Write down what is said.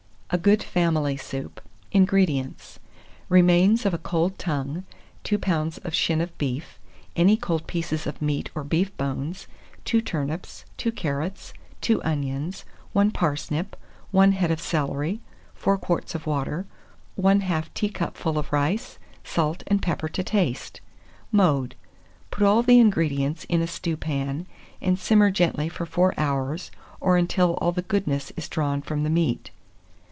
A GOOD FAMILY SOUP. 190. INGREDIENTS. Remains of a cold tongue, 2 lbs. of shin of beef, any cold pieces of meat or beef bones, 2 turnips, 2 carrots, 2 onions, 1 parsnip, 1 head of celery, 4 quarts of water, 1/2 teacupful of rice; salt and pepper to taste. Mode. Put all the ingredients in a stewpan, and simmer gently for 4 hours, or until all the goodness is drawn from the meat.